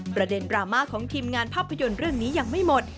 ประเด็นดราม่าของทีมงานภาพยนตร์เรื่องนี้ยังไม่หมด